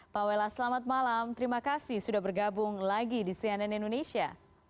pak wela selamat malam terima kasih sudah bergabung lagi di cnn indonesia